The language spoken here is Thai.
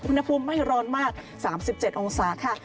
อุณหภูมิไม่ร้อนมาก๓๗องศาค่ะ